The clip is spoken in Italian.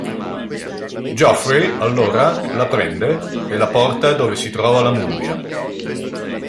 Geoffrey, allora, la prende e la porta dove si trova la mummia.